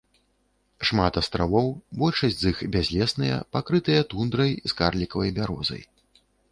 Шмат астравоў, большасць з іх бязлесныя, пакрытыя тундрай з карлікавай бярозай.